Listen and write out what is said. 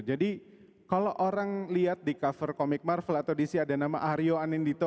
kalau orang lihat di cover komik marvel atau dc ada nama aryo anindito